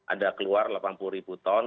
ada keluar delapan puluh ribu ton